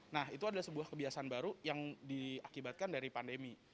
nah itu adalah sebuah kebiasaan baru yang diakibatkan dari pandemi